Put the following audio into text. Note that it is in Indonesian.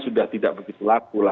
sudah tidak begitu laku